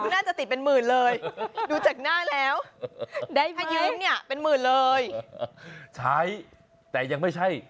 น่าจะติดเป็นหมื่นเลยดูจากหน้าแล้วได้ผ้ายืมเนี่ยเป็นหมื่นเลยใช้แต่ยังไม่ใช่